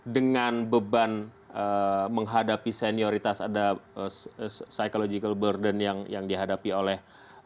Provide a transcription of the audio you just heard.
dengan beban menghadapi senioritas ada psychological burden yang dihadapi oleh